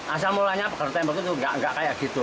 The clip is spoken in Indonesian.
asal mulanya tembok itu enggak kayak gitu